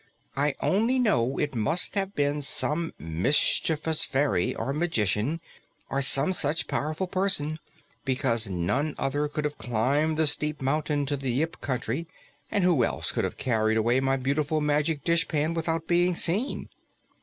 "I only know it must have been some mischievous fairy, or a magician, or some such powerful person, because none other could have climbed the steep mountain to the Yip Country. And who else could have carried away my beautiful magic dishpan without being seen?"